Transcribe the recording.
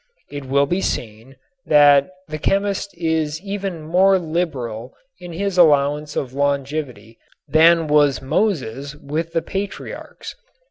It will be seen that the chemist is even more liberal in his allowance of longevity than was Moses with the patriarchs.